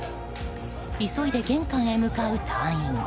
急いで玄関へ向かう隊員。